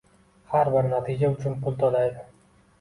har bir natija uchun pul to’laydi